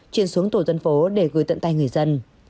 chuyển xuống tổ dân phố để gửi tận tay người dân